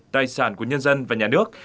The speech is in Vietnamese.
tài sản của nhân dân và nhà nước